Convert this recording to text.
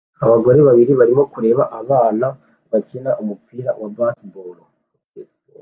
Abagore babiri barimo kureba abana bakina umupira wa baseball